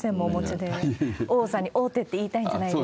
王座に王手って言いたいんじゃないですか。